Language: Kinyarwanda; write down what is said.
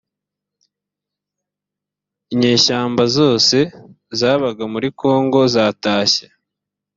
inyeshyamba zose zabaga muri kongo zatashye